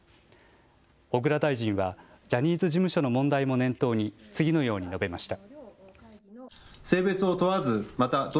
小倉大臣はジャニーズ事務所の問題も念頭に次のように述べました。